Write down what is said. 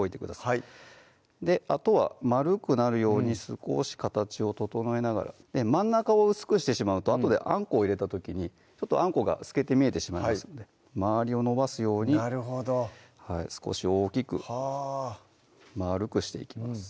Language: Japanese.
はいあとは丸くなるように少し形を整えながら真ん中を薄くしてしまうとあとであんこを入れた時にあんこが透けて見えてしまいますので周りを伸ばすようになるほど少し大きくまるくしていきます